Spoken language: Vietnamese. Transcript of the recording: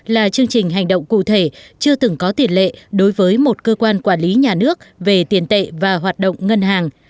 là chương trình hành động cụ thể chưa từng có tiền lệ đối với một cơ quan quản lý nhà nước về tiền tệ và hoạt động ngân hàng